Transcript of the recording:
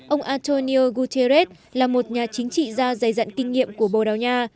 ông antonio guterres là một nhà chính trị gia dày dặn kinh nghiệm của bồ đào nha